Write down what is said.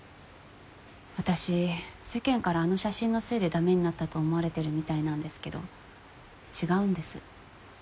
私世間からあの写真のせいでだめになったと思われてるみたいなんですけど違うんです。